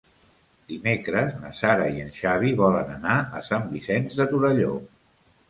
Dimecres na Sara i en Xavi volen anar a Sant Vicenç de Torelló.